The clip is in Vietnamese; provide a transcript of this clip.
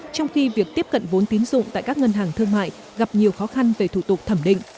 trong khi việc tiếp cận vốn tín dụng tại các ngân hàng thương mại gặp nhiều khó khăn về thủ tục thẩm định